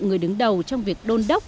người đứng đầu trong việc đôn đốc